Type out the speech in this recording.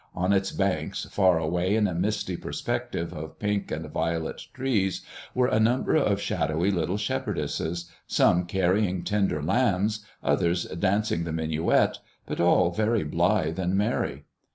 On its banks, far away in a misty perspective of pink and violet trees, were a number of shadowy little shepherdesses, some carrying tender lambs, others dancing the minuet, but all very blithe and merry.